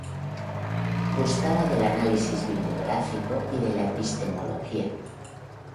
Gustaba del análisis bibliográfico y de la epistemología.